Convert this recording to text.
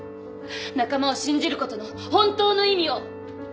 仲間を信じることの本当の意味を。